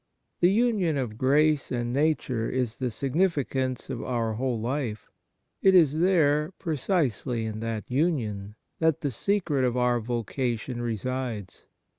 The union of grace and nature is the significance of our whole life. It is there, precisely in that union, that the secret of our vocation resides.